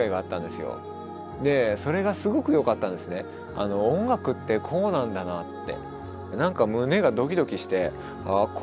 あの音楽ってこうなんだなって。